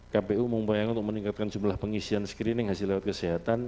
kpu membayangkan untuk meningkatkan jumlah pengisian screening hasil lewat kesehatan